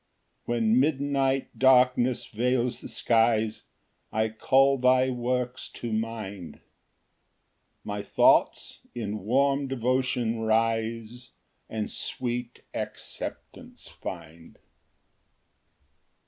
4 When midnight darkness veils the skies, I call thy works to mind; My thoughts in warm devotion rise, And sweet acceptance find.